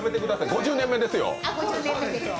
５０年目ですよ。